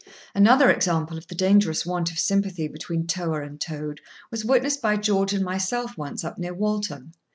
Another example of the dangerous want of sympathy between tower and towed was witnessed by George and myself once up near Walton.